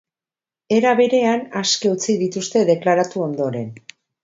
Era berean, aske utzi dituzte deklaratu ondoren.